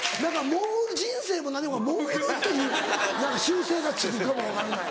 人生も何も潜るっていう習性がつくかも分かんない。